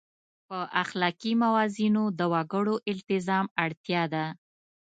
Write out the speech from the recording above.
په اخلاقي موازینو د وګړو التزام اړتیا ده.